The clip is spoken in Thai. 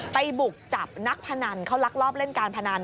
บุกจับนักพนันเขาลักลอบเล่นการพนัน